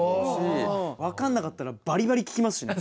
分かんなかったらバリバリ聞きますしね。